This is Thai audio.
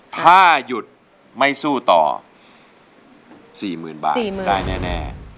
ถ้าหยุดไม่สู้ต่อ๔๐๐๐บาทได้แน่